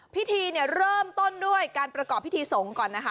พิธีเนี่ยเริ่มต้นด้วยการประกอบพิธีสงฆ์ก่อนนะคะ